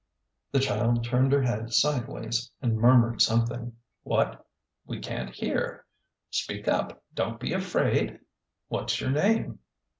The child turned her head sideways and murmured something. "What? We can't hear. Speak up; don't be afraid! What's your name